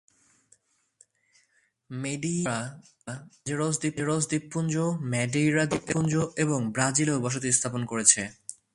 মেডিইরোসরা অ্যাজোরেস দ্বীপপুঞ্জ, ম্যাডেইরা দ্বীপপুঞ্জ এবং ব্রাজিলেও বসতি স্থাপন করেছে।